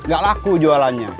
gak laku jualannya